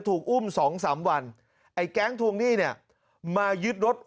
ถูกอุ้มสองสามวันไอ้แก๊งทวงหนี้เนี่ยมายึดรถ